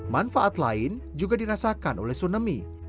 manfaat lain juga dirasakan oleh tsunami